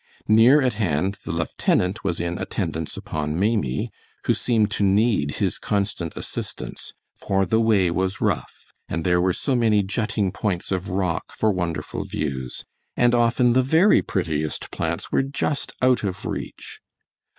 Near at hand the lieutenant was in attendance upon Maimie, who seemed to need his constant assistance; for the way was rough, and there were so many jutting points of rock for wonderful views, and often the very prettiest plants were just out of reach.